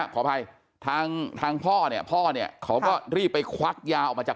ขออภัยทางทางพ่อเนี่ยพ่อเนี่ยเขาก็รีบไปควักยาออกมาจาก